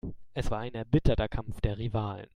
Es war ein erbitterter Kampf der Rivalen.